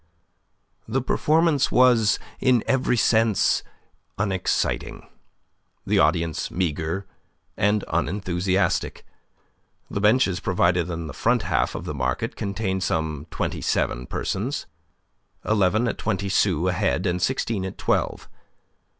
The performance was in every sense unexciting; the audience meagre and unenthusiastic. The benches provided in the front half of the market contained some twenty seven persons: eleven at twenty sous a head and sixteen at twelve.